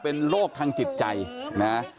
เป็นโรคทางจิตใจนะ